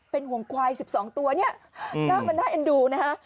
เป็นห่วงควาย๑๒ตัวเนี่ยหน้ามันน่าเอ็นดูนะฮะ